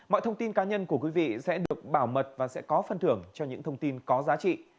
mọi thông tin cá nhân của quý vị sẽ được bảo mật và sẽ có phân thưởng cho những thông tin có giá trị